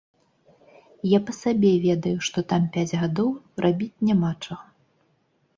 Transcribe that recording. Я па сабе ведаю, што там пяць гадоў рабіць няма чаго.